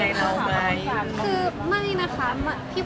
มีลักษณ์ออกถ้ามีโอกาสอยากจะเป็นกาบใจในเอง